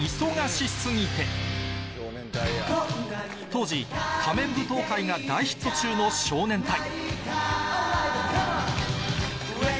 当時『仮面舞踏会』が大ヒット中の少年隊